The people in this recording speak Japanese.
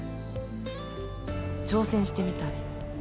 挑戦してみたい。